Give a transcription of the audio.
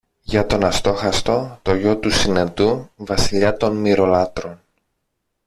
για τον Αστόχαστο, το γιο του Συνετού, Βασιλιά των Μοιρολάτρων.